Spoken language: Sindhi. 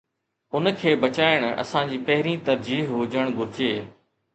ان کي بچائڻ اسان جي پهرين ترجيح هجڻ گهرجي.